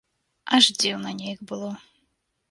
Аж дзіўна нейк было.